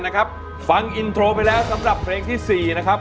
นะครับฟังอินโทรไปแล้วสำหรับเพลงที่๔นะครับ